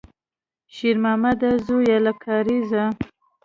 شېرمامده زویه، له کارېزه!